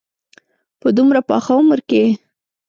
په دومره پاخه عمر کې.